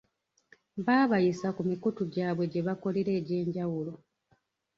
Baabayisa ku mikutu gyabwe gye bakolera egy'enjawulo.